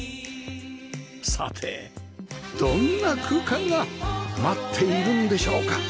さてどんな空間が待っているんでしょうか？